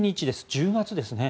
１０月ですね。